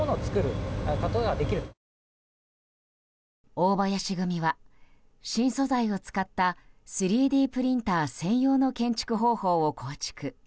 大林組は新素材を使った３Ｄプリンター専用の建築方法を構築。